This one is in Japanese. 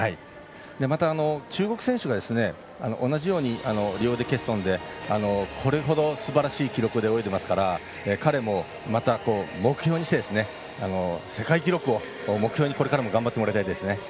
また、中国選手が同じように両腕欠損でこれほどすばらしい記録で泳いでますから彼もまた、目標にして世界記録を目標にこれからも頑張ってもらいたいです。